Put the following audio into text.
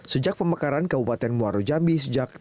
sejak pemekaran kabupaten muara jambi